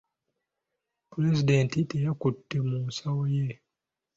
Pulezidenti teyakutte mu nsawo ye.